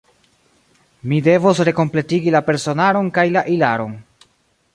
Mi devos rekompletigi la personaron kaj la ilaron.